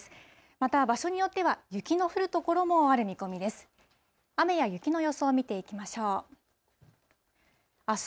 また場所によっては、雪の降る所もある見込みです。